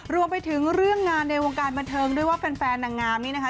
รวมไปถึงเรื่องงานในวงการบันเทิงด้วยว่าแฟนนางงามนี่นะคะ